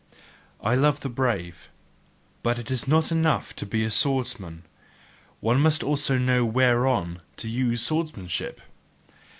I love the brave: but it is not enough to be a swordsman, one must also know WHEREON to use swordsmanship!